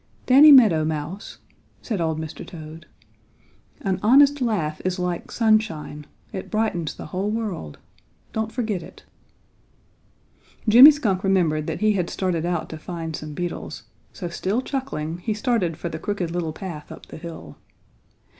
"Danny Meadow Mouse," said old Mr. Toad, "an honest laugh is like sunshine; it brightens the whole world. Don't forget it." Jimmy Skunk remembered that he had started out to find some beetles, so still chuckling he started for the Crooked Little Path up the hill.